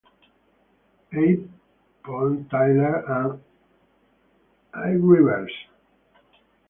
A. Tyler, and I Rivers.